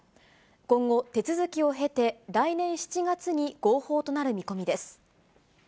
今後、手続きを経て、来年７月に合法となる見込みです。